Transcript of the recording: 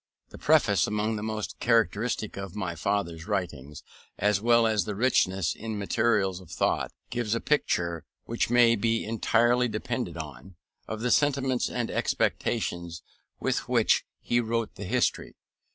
The Preface, among the most characteristic of my father's writings, as well as the richest in materials of thought, gives a picture which may be entirely depended on, of the sentiments and expectations with which he wrote the History.